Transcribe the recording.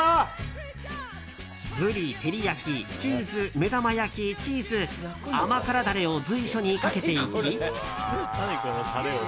ブリ照り焼き、チーズ目玉焼き、チーズ甘辛ダレを随所にかけていき。